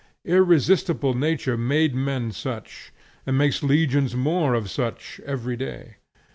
Irresistible nature made men such, and makes legions more of such, every day.